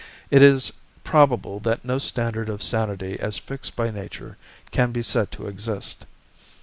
It is probable that no standard of sanity as fixed by nature can be said to exist.